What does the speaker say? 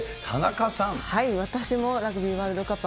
私もラグビーワールドカップ。